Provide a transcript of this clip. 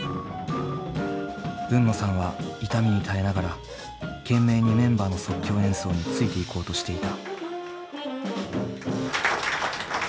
海野さんは痛みに耐えながら懸命にメンバーの即興演奏についていこうとしていた。